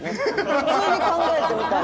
普通に考えてみたら。